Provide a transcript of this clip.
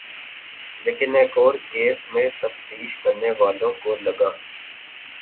لیکن ایک اور کیس میں تفتیش کرنے والوں کو لگا